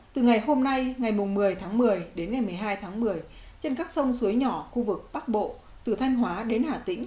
từ ngày hôm nay ngày một mươi tháng một mươi đến ngày một mươi hai tháng một mươi trên các sông suối nhỏ khu vực bắc bộ từ thanh hóa đến hà tĩnh